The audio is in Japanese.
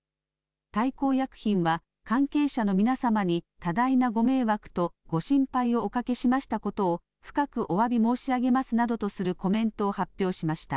大幸薬品は、関係者の皆様に多大なご迷惑とご心配をおかけしましたことを深くおわび申し上げますなどとするコメントを発表しました。